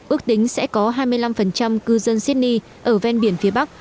ước tính sẽ có hai mươi năm cư dân sydney ở ven biển phía bắc